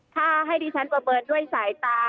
ค่ะให้ดิฉันบะเบิร์นด้วยสายตา